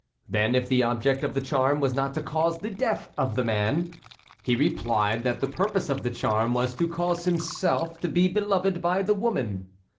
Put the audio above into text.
Then, if the object of the charm was not to cause the death of the man. He replied that the purpose of the charm was to cause himself to be beloved by the woman.